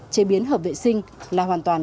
chế biến hợp vệ sinh là hoàn toàn